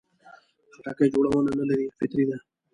خټکی جوړونه نه لري، فطري ده.